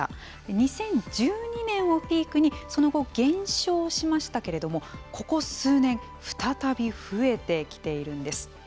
２０１２年をピークにその後減少しましたけれどもここ数年再び増えてきているんです。